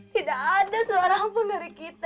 tidak ada seorang pun dari kita